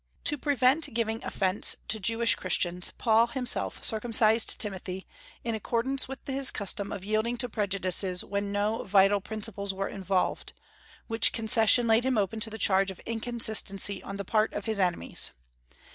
To prevent giving offence to Jewish Christians, Paul himself circumcised Timothy, in accordance with his custom of yielding to prejudices when no vital principles were involved, which concession laid him open to the charge of inconsistency on the part of his enemies.